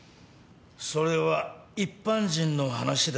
それは一般人の話だ。